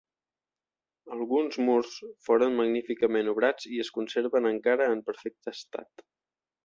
Alguns murs foren magníficament obrats i es conserven encara en perfecte estat.